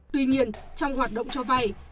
tuy nhiên trong hoạt động cho vay